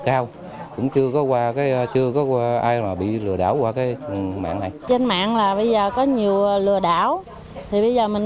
cao chưa có ai mà bị lừa đảo qua cái mạng này trên mạng là bây giờ có nhiều lừa đảo thì bây giờ mình